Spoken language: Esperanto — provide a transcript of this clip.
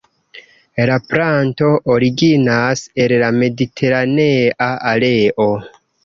La planto originas el la mediteranea areo.